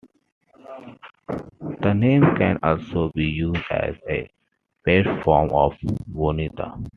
The name can also be used as a pet form of Bonita.